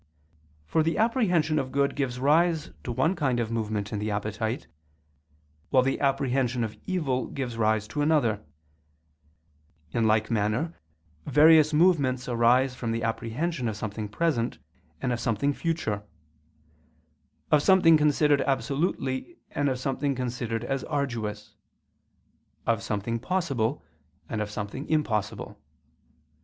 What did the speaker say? For the apprehension of good gives rise to one kind of movement in the appetite, while the apprehension of evil gives rise to another: in like manner various movements arise from the apprehension of something present and of something future; of something considered absolutely, and of something considered as arduous; of something possible, and of something impossible.